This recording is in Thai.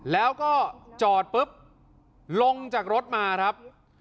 แล้วก็จอดปุ๊บลงจากรถมาครับ